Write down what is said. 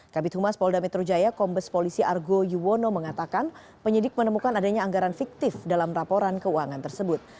kabit humas polda metro jaya kombes polisi argo yuwono mengatakan penyidik menemukan adanya anggaran fiktif dalam laporan keuangan tersebut